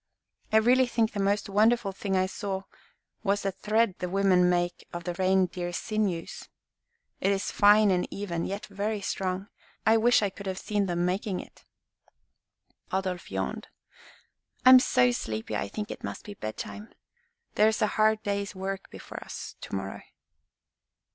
I really think the most wonderful thing I saw was the thread the women make of the reindeer sinews. It is fine and even, yet very strong. I wish I could have seen them making it." Adolf yawned. "I am so sleepy I think it must be bedtime. There's a hard day's work before us to morrow."